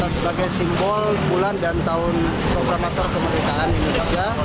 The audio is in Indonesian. sebagai simbol bulan dan tahun programator kemerdekaan indonesia